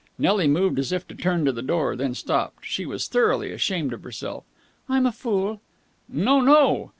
Nelly moved as if to turn to the door, then stopped. She was thoroughly ashamed of herself. "I'm a fool!" "No, no!"